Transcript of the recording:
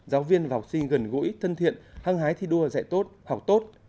giáo viên và học sinh gần gũi thân thiện hăng hái thi đua dạy tốt học tốt